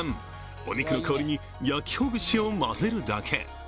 お肉の代わりに焼きほぐしを混ぜるだけ。